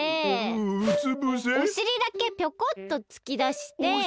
おしりだけぴょこっとつきだして。